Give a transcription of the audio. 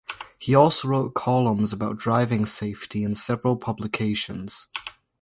He also wrote columns about driving safety in several publications.